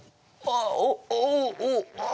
ああ！